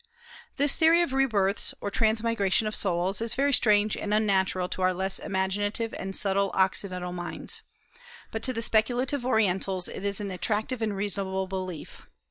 This theory of re births, or transmigration of souls, is very strange and unnatural to our less imaginative and subtile Occidental minds; but to the speculative Orientals it is an attractive and reasonable belief.